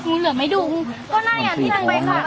นี่เห็นจริงตอนนี้ต้องซื้อ๖วัน